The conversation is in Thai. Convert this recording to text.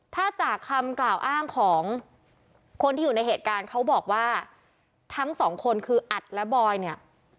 ถ้าจากคำกล่าวอ้างของคนที่อยู่ในเหตุการณ์เขาบอกว่าทั้งสองคนคืออัดและบอยเนี่ย